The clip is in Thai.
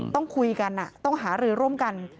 ต้องคุยกันต้องหารือร่วมกัน